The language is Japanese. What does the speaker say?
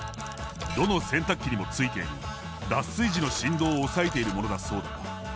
どの洗濯機にもついている脱水時の振動を抑えているものだそうだが。